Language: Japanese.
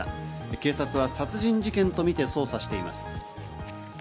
警察は殺人事件とみて捜査しています。